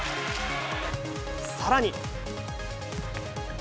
さらに。